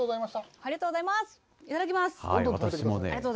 ありがとうございます。